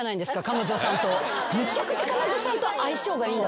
むちゃくちゃ彼女さんと相性がいいんだと思う。